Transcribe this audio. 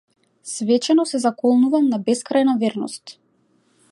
Свечено се заколнувам на бескрајна верност.